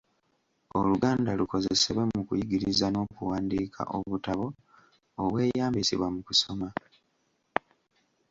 Oluganda lukozesebwe mu kuyigiriza n’okuwandiika obutabo obweyambisibwa mu kusoma.